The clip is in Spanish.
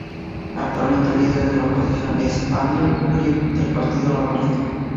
Actualmente, el líder de la oposición es Andrew Little del Partido Laborista.